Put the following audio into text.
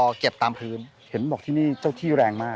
ชื่องนี้ชื่องนี้ชื่องนี้ชื่องนี้ชื่องนี้ชื่องนี้